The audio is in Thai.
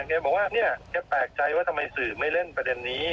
แกบอกว่าเนี่ยแกแปลกใจว่าทำไมสื่อไม่เล่นประเด็นนี้